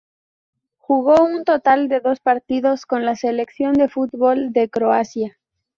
Jugó un total de dos partidos con la selección de fútbol de Croacia.